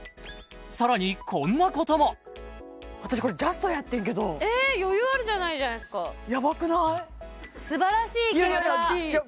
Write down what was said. さらにこんなことも私これジャストやってんけど余裕あるじゃないですかヤバくない？